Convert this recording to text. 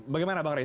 bagaimana pak rai